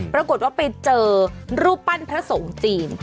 ปรากฏว่าไปเจอรูปปั้นพระสงฆ์จีน